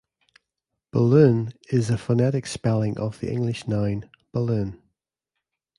"Buhloone" is a phonetic spelling of the English noun "balloon".